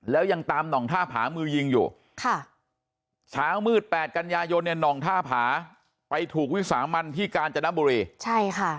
แล้วยังตามหน่องท่าผามือยิงอยู่ค่ะเช้ามืดแปดกันยายนเนี่ยหน่องท่าผาไปถูกวิสามันที่กาญจนบุรีใช่ค่ะ